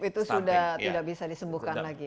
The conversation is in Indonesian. itu sudah tidak bisa disembuhkan lagi